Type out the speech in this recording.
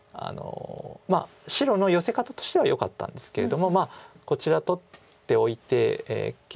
まあ白のヨセ方としてはよかったんですけれどもこちら取っておいて形勢は黒がよかったと思います。